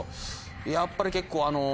やっぱり結構あの。